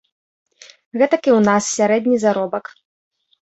Гэтак і ў нас сярэдні заробак.